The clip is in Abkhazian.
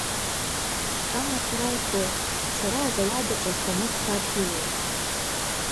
Кама аҵара лҵоит, сара азауад аҿы астанок садгылоуп.